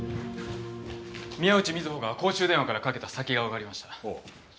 宮内美津保が公衆電話からかけた先がわかりました。